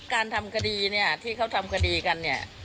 การทำคดีเนี่ยที่เขาทำคดีกันเนี่ย